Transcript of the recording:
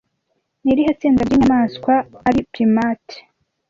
Ni irihe tsinda ry'inyamaswa ari primates